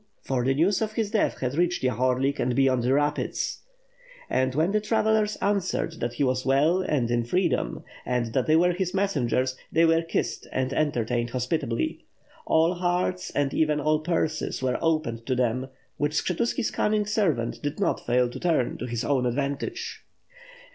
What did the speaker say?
For the news of his death had reached Yahorlik and beyond the rapids. 648 WITH FIRE AND SWORD, And when the travellers answered that he was well and in freedom and that they were his messengers, they were kissed and entertained hospitably. All hearts and, even all purses, were opened to them; which Skshetuski's cunning servant did not fail to turn to his own advantage.